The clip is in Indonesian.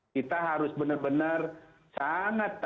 kita harus benar benar sangat